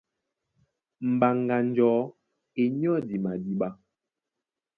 Mbaŋga njɔ̌ e nyɔ́di madíɓá.